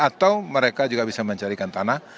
atau mereka juga bisa mencarikan tanah